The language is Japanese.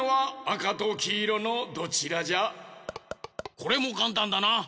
これもかんたんだな！